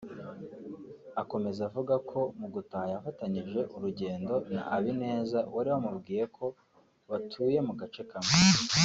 Akomeza avuga ko mu gutaha yafatanyije urugendo na Abineza wari wamubwiye ko batuye mu gace kamwe